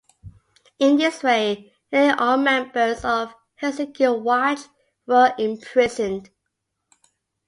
In this way nearly all members of Helsinki Watch were imprisoned.